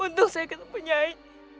untung saya ketemu nyai